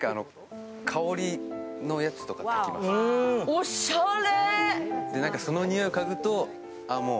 おしゃれ！